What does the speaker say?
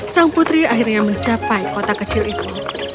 sang putri akhirnya mencapai kota kecil itu